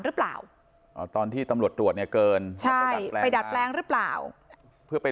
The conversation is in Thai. หรือเปล่าอ๋อตอนที่ตำรวจตรวจเนี่ยเกินใช่ไปดัดแปลงหรือเปล่าเพื่อไป